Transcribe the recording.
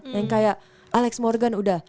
yang kayak alex morgan udah